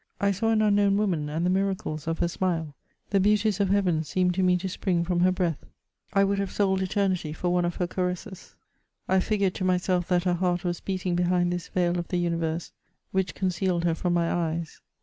I saw an unknown woman and the miracles of her smile ; the beauties of heaven seemed to me to spring from her breath ; I would have sold eternity for one of her caresses. I figured to myself that her heart was beating behind this veil of the universe which concealed her from my eyes.